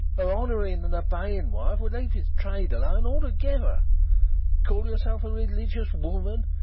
A honouring and obeying wife would let his trade alone altogether. Call yourself a religious woman?